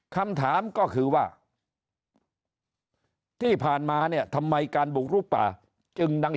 คำถามก็คือว่าที่ผ่านมาเนี่ยทำไมการบุกลุกป่าจึงดัง